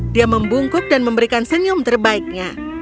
dia membungkuk dan memberikan senyum terbaiknya